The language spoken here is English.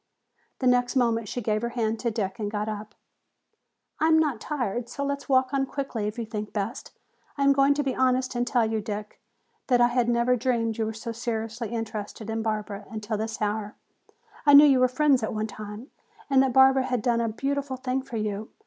The next moment she gave her hand to Dick and got up. "I am not tired, so let us walk on quickly if you think best. I am going to be honest and tell you, Dick, that I have never dreamed you were seriously interested in Barbara until this hour. I knew you were friends at one time and that Barbara had done a beautiful thing for you.